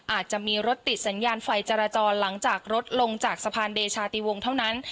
อาจจะมีรถติดสัญญาณไฟจราจรหลังจากรถลงจากสะพานเดชาติวงเท่านั้น